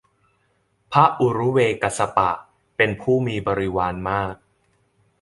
พระอุรุเวลกัสสปะ เป็นผู้มีบริวารมาก